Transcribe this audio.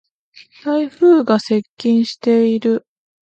台風が接近している。